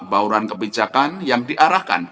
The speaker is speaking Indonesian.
bauran kebijakan yang diarahkan